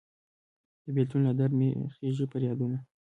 د بیلتون له درد مې خیژي پریادونه